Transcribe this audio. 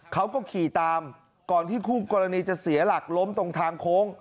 เขาก็ขี่ตามก่อนที่คู่กรณีจะเสียหลักล้มตรงทางโค้ง